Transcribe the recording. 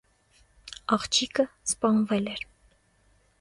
Աղջիկը սպանվել էր։